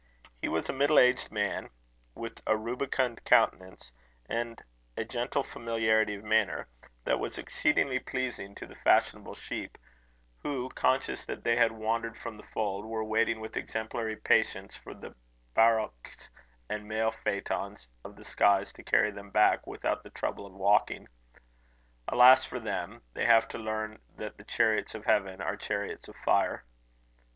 He was a middle aged man, with a rubicund countenance, and a gentle familiarity of manner, that was exceedingly pleasing to the fashionable sheep who, conscious that they had wandered from the fold, were waiting with exemplary patience for the barouches and mail phaetons of the skies to carry them back without the trouble of walking. Alas for them! they have to learn that the chariots of heaven are chariots of fire.